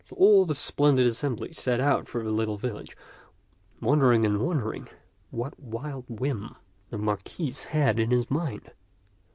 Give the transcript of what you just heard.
So all the splendid assembly set out for the little village, wondering and wondering what wild whim ti}t Ckvk'& taU 143 the Marquis had in his mind.